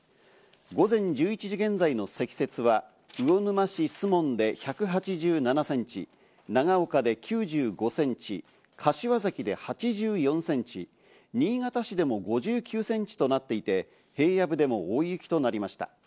午前１１時現在の積雪は魚沼市守門で１８７センチ、長岡で９５センチ、柏崎で８４センチ、新潟市でも５９センチとなっていて、平野部でも大雪となりました。